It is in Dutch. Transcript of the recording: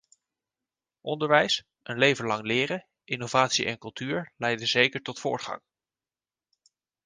Onderwijs, een leven lang leren, innovatie en cultuur leiden zeker tot voortgang.